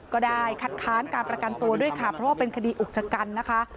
ก็ได้คัดค้านการประกันตัวด้วยค่ะเพราะว่าเป็นคดีอุกชะกันนะคะ